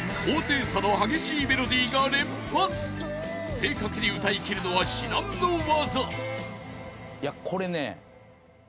［正確に歌いきるのは至難の業］